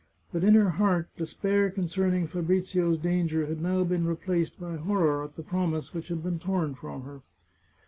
But in her heart, despair concerning Fabrizio's danger had now been replaced by horror at the promise which had been torn from her.